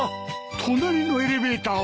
隣のエレベーターは？